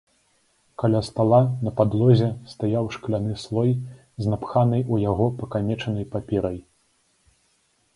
Каля стала на падлозе стаяў шкляны слой з напханай у яго пакамечанай паперай.